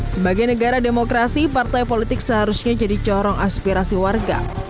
sebagai negara demokrasi partai politik seharusnya jadi corong aspirasi warga